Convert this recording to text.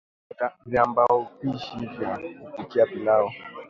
Viambaupishi vya kupikia pilau